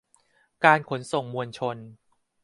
การขนส่งมวลชน